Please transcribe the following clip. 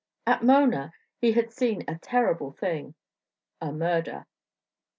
At Mona he had seen a terrible thing a murder.